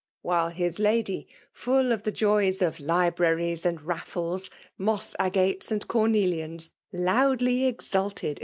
'* Wh^ his lady, full of the joys of libraries and raffles, moss^agates, and comelianSi loudly exulted in F.